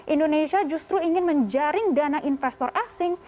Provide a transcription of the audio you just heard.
indonesia justru ingin menjaring dana investor asing